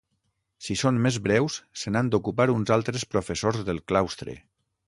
Si són més breus, se n’han d’ocupar uns altres professors del claustre.